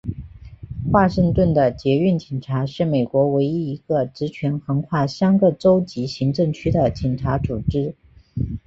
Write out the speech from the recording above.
华盛顿的捷运警察是美国唯一一个职权横跨三个州级行政区的警察组织。